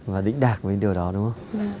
và đỉnh đạc bên điều đó đúng không